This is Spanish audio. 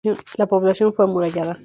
La población fue amurallada.